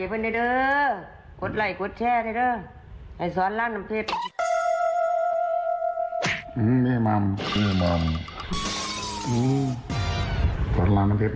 พี่ก็สอนลามน้ำเผ็ด